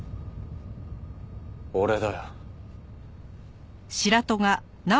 俺だよ。